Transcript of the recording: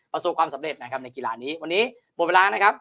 ประสบความสำเร็จนะครับในกีฬานี้วันนี้หมดเวลานะครับ